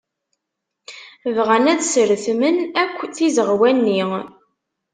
Bɣan ad sretmen akk tizeɣwa-nni.